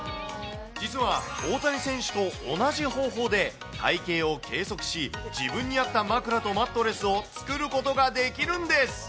実は、大谷選手と同じ方法で体形を計測し、自分に合った枕とマットレスを作ることができるんです。